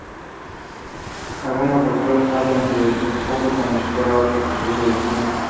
Algunos autores hablan del "enfoque" como si fuera otra estrategia en sí misma.